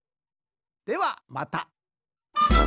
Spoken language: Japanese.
ではまた！